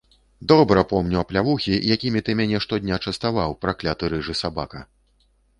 Добра помню аплявухі, якімі ты мяне штодня частаваў, пракляты рыжы сабака!